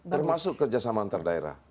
termasuk kerjasama antar daerah